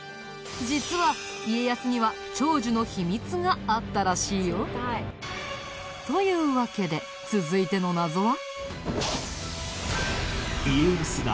実は家康には長寿の秘密があったらしいよ。というわけで続いての謎は。